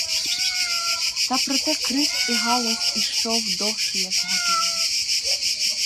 Та проте крик і галас ішов довше як годину.